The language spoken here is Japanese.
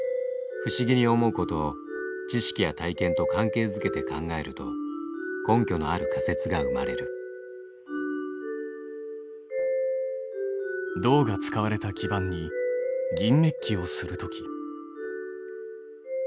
不思議に思うことを知識や体験と関係づけて考えると根拠のある仮説が生まれる銅が使われた基板に銀メッキをするとき。